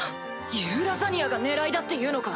ユーラザニアが狙いだっていうのか⁉